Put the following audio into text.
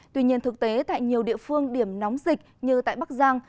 tuy nhiên thực tế tại nhiều địa phương điểm nóng dịch như tại bắc giang